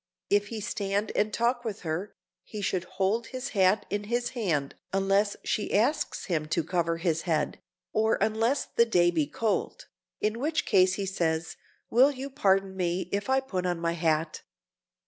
If he stand and talk with her, he should hold his hat in his hand unless she asks him to cover his head, or unless the day be cold,—in which case he says, "Will you pardon me if I put on my hat?"